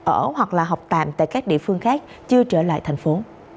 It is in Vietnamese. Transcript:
ở hoặc là học tạm tại các địa phương khác chưa trở lại thành phố